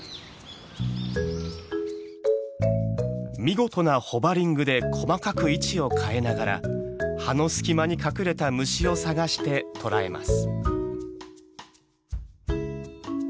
見事なホバリングで細かく位置を変えながら葉の隙間に隠れた虫を探して捕らえます。